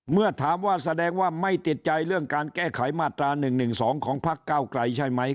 เมื่อถามว่าแสดงว่าไม่ติดใจเรื่องการแก้ไขมาตรา๑๑๒ของพักเก้าไกลใช่ไหม